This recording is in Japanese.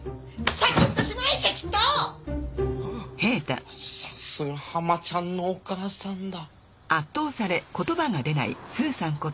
さすがハマちゃんのお母さんだ。